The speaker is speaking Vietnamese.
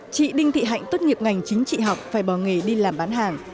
chị đinh thị hạnh tốt nghiệp ngành chính trị học phải bỏ nghề đi làm bán hàng